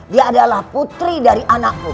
dia adalah putri dari anakku